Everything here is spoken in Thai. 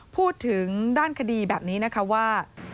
พูดถึงด้านคดีแบบนี้นะคะว่า